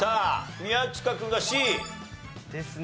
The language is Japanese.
宮近君がＣ。ですね。